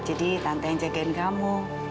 jadi tante yang jagain kamu